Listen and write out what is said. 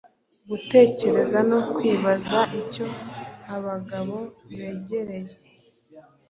Gutekereza no kwibaza icyo abagabo begereye